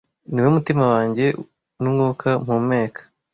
Niwe mutima wanjye, n'umwuka mpumeka.